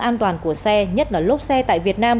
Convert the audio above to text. an toàn của xe nhất là lốp xe tại việt nam